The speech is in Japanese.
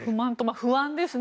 不安ですね。